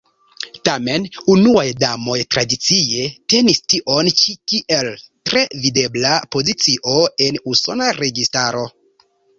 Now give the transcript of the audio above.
Tamen, unuaj damoj tradicie tenis tion ĉi kiel tre videbla pozicio en Usona registaro.